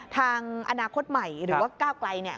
ทางอนาคตใหม่หรือว่าก้าวไกลเนี่ย